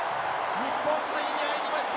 日本３位に入りました。